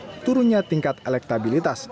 mengatakan turunnya tingkat elektabilitas